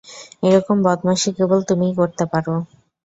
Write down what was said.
এরকম বদমাশি কেবল তুমিই করতে পারো।